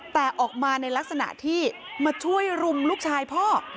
แต่ออกมาในลักษณะที่มาช่วยรุมลูกชายพ่อ